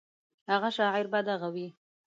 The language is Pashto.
هغه شاعر به دغه وي.